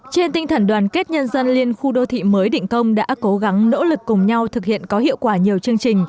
trên tinh thần đoàn kết nhân dân liên khu đô thị mới định công đã cố gắng nỗ lực cùng nhau thực hiện có hiệu quả nhiều chương trình